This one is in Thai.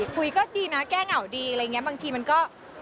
คุยก็ดีนะแก้เหงาดีบางทีมันก็